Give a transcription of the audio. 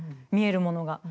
見えるものが。